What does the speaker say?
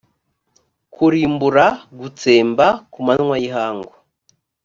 kurimbura gutsemba ku manywa y ihangu